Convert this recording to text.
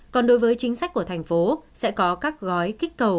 còn đối với chính sách của thành phố sẽ có các gói kích cầu